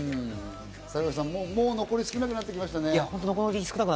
坂口さん、もう残り少なくなってきましたね。